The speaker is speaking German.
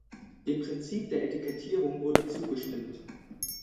Dem Prinzip der Etikettierung wurde zugestimmt.